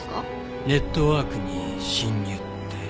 ネットワークに侵入って。